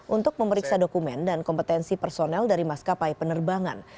untuk memeriksa dokumen dan kompetensi personel dari maskapai penerbangan